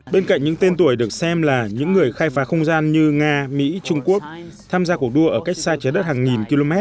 bên cạnh những tên tuổi được xem là những người khai phá không gian như nga mỹ trung quốc tham gia cuộc đua ở cách xa trái đất hàng nghìn km